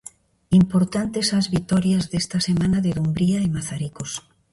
Importantes as vitorias desta semana de Dumbría e Mazaricos.